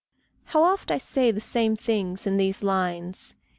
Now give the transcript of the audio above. How oft I say the same things in these lines!